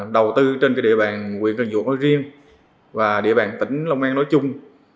đầu tư trên địa bàn quyền cân dụng riêng và địa bàn tỉnh lòng an nói chung